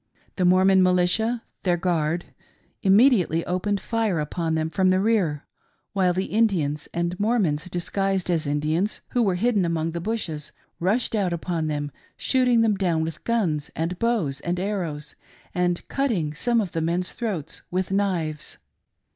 The Mor mon Militia — their guard — immediately opened fire upon them from the rear, while the Indians, and Mormons disguised as Indians, who were hidden among the bushes, rushed out upon them, shooting them down with guns and bows and arrows, and cutting some of the men's throats with knives.